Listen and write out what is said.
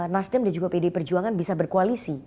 nasdem dan juga pd perjuangan bisa berkoalisi